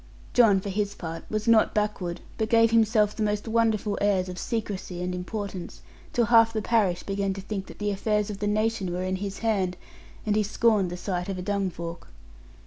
John for his part was not backward, but gave himself the most wonderful airs of secrecy and importance, till half the parish began to think that the affairs of the nation were in his hand, and he scorned the sight of a dungfork.